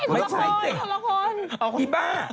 ไม่ใช่คนละคน